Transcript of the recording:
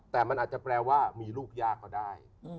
แต่มันอาจจะแปลว่ามีลูกยากก็ได้